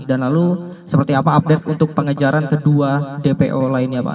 dan lalu seperti apa update untuk pengejaran kedua dpo lainnya pak